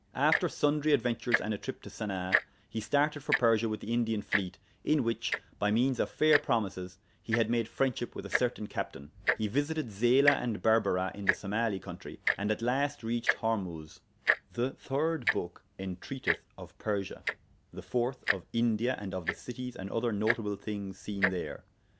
After sundry adventures and a trip to Sanaa, he started for Persia with the Indian fleet, in which, by means of fair promises, he had made friendship with a certain captain. He visited Zayla and Berberah in the Somali country, and at last reached Hormuz. The 3rd book entreateth of Persia, the 4th of India, and of the cities and other notable thynges seene there.